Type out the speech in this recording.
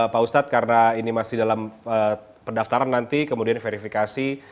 pak ustadz karena ini masih dalam pendaftaran nanti kemudian verifikasi